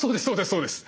そうです